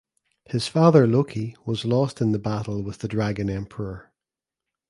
His father Loki was lost in battle with the Dragon Emperor.